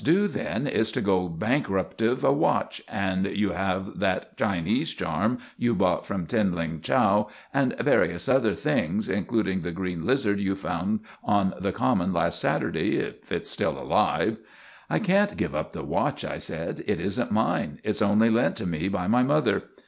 For instance, you have a watch, and you have that Chinese charm you bought from Tin Lin Chow and various other things, including the green lizard you found on the common last Saturday, if it's still alive." "I can't give up the watch," I said, "it isn't mine. It's only lent to me by my mother.